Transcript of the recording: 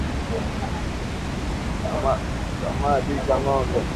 samadi za ngombe